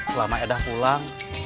selama edah pulang